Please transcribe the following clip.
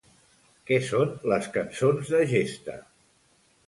Què són les cançons de gesta?